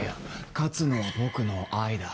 勝つのは僕の愛だ